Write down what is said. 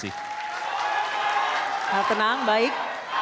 harap tenang baik